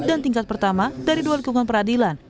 tingkat pertama dari dua lingkungan peradilan